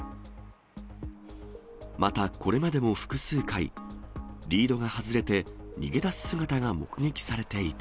また、これまでも複数回、リードが外れて、逃げ出す姿が目撃されていて。